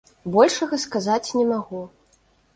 Большага сказаць не магу.